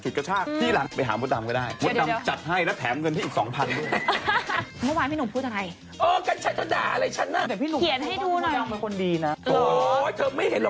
แต่พี่หลุงมันยังเป็นคนดีนะโอ๊ยเธอไม่เห็นเหรอ